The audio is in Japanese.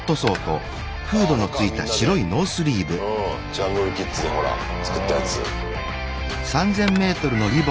ジャングルキッズでほら作ったやつ。